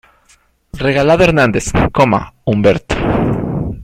Regalado Hernández, Humberto.